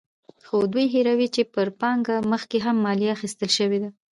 خو دوی هېروي چې پر پانګه مخکې هم مالیه اخیستل شوې ده.